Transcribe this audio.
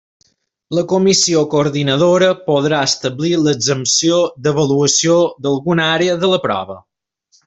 La Comissió Coordinadora podrà establir l'exempció d'avaluació d'alguna àrea de la prova.